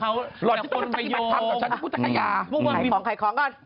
หายของหายของก่อน